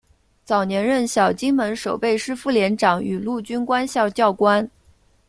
早年任小金门守备师副连长与陆军官校教官。